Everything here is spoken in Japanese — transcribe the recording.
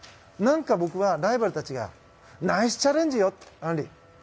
何か僕は、ライバルたちがナイスチャレンジよ、あんり。